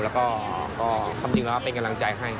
แล้วก็ความจริงแล้วก็เป็นกำลังใจให้